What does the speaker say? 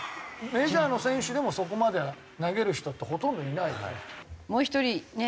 メジャーの選手でもそこまで投げる人ってほとんどいないので。